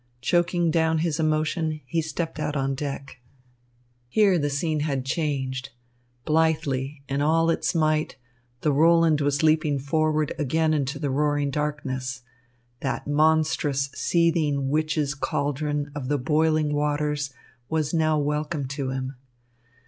Choking down his emotion, he stepped out on deck. Here the scene had changed. Blithely, in all its might, the Roland was leaping forward again into the roaring darkness. That monstrous, seething witch's cauldron of the boiling waters was now welcome to him.